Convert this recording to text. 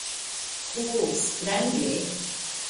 Ho, strange!